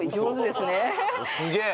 すげえ！